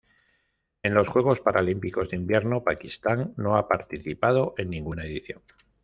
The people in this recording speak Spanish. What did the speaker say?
En los Juegos Paralímpicos de Invierno Pakistán no ha participado en ninguna edición.